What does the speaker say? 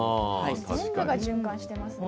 全部が循環してますね。